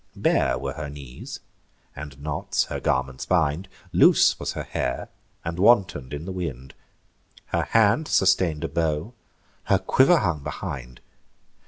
Bare were her knees, and knots her garments bind; Loose was her hair, and wanton'd in the wind; Her hand sustain'd a bow; her quiver hung behind.